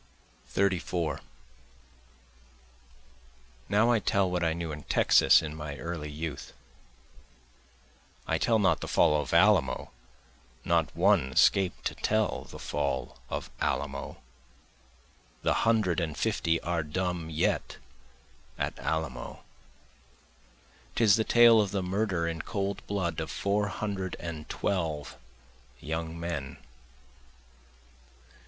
34 Now I tell what I knew in Texas in my early youth, (I tell not the fall of Alamo, Not one escaped to tell the fall of Alamo, The hundred and fifty are dumb yet at Alamo,) 'Tis the tale of the murder in cold blood of four hundred and twelve young men.